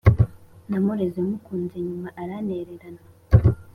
Namureze mukunze nyuma arantererana